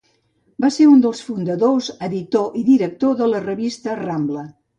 Va ser un dels fundadors, editor i director de la revista Rambla.